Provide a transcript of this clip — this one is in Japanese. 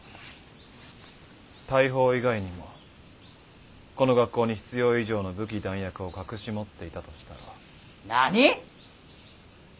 大砲以外にもこの学校に必要以上の武器弾薬を隠し持っていたとしたら？何！？